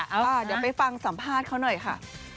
เดี๋ยวไปฟังสัมภาษณ์เขาหน่อยค่ะ